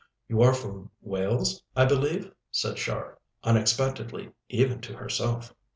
"You are from Wales, I believe?" said Char, unexpectedly even to herself.